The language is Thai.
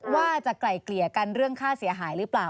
ว่าจะไกล่เกลียญกันเรื่องข้าวเสียหายรึเปล่า